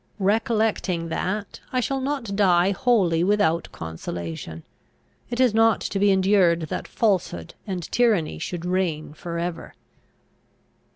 Recollecting that, I shall not die wholly without consolation. It is not to be endured that falsehood and tyranny should reign for ever.